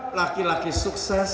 tidak ada laki laki sukses